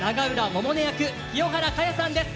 百音役清原果耶さんです。